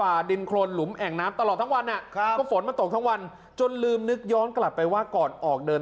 แล้วเมื่อมาถึงก็มาตรวจกรุงอีกที